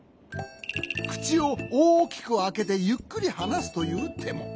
くちをおおきくあけてゆっくりはなすというても。